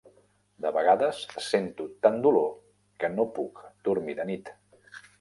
De vegades, sento tant dolor que no puc dormir de nit.